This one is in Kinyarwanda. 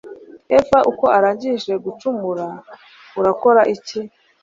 Eva uko urangije gucumura urakora iki